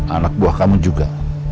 anak buah kamu juga